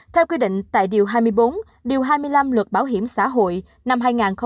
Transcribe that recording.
theo quy định tại điều hai mươi bốn điều hai mươi năm luật bảo hiểm xã hội năm hai nghìn một mươi bốn